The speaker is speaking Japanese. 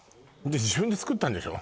自分で作ったんでしょ？